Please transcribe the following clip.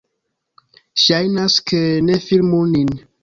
Ŝajnas, ke... - Ne filmu nin!